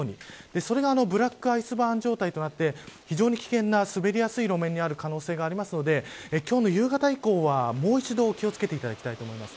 それがブラックアイスバーン状態となって非常に危険な滑りやすい路面になる可能性があるので今日の夕方以降は、もう一度気を付けてください。